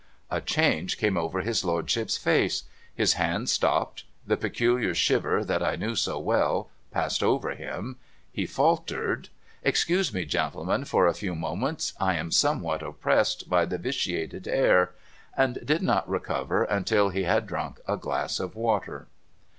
A change came over his Lordship's face; his hand stopped ; the peculiar shiver, that I knew so well, passed over him ; he faltered, ' Excuse me, gentlemen, for a few moments. I am somewhat oppressed by the vitiated air ;' and did not recover until he had drunk a glass of water.